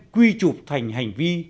quy trục thành hành vi